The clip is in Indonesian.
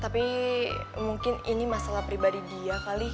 tapi mungkin ini masalah pribadi dia kali